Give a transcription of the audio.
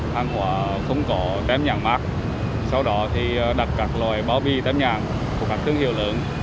hàng hóa không có đem nhãn mắc sau đó thì đặt các loại bảo bi đem nhãn của các thương hiệu lớn